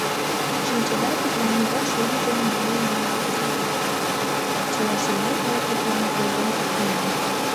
Шинчеда, тудлан ойлаш лийдыме мыйын нимоат лийын огыл, чылажымат мый тудлан ойлен кертынам.